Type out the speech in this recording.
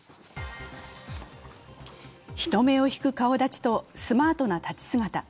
人目を引く顔立ちと、スマートな立ち姿。